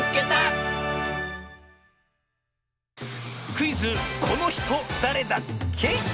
クイズ「このひとだれだっけ？」。